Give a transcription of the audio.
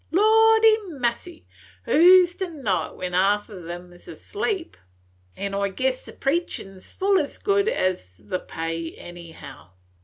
Lordy massy, who 's to know it, when half on em 's asleep? And I guess the preachin 's full as good as the pay anyhow.